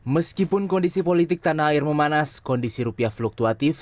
meskipun kondisi politik tanah air memanas kondisi rupiah fluktuatif